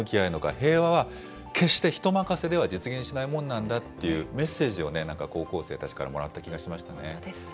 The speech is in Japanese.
平和とは決して人任せでは実現できないものなんだというメッセージをね、なんか高校生たちからもらった気がしましたね。